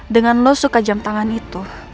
dengan lo suka jam tangan itu